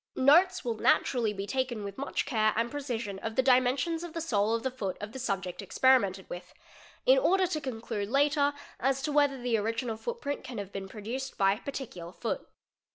Notes wil naturally be taken with much care and precision of the dimensions of the sole of the foot of the subject experimented with, in order to con clude later as to whether the original footprint can have been producer by a particular foot.